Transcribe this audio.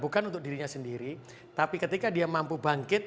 bukan untuk dirinya sendiri tapi ketika dia mampu bangkit